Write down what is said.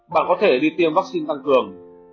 bạn có thể đi tiêm vắc xin tăng cường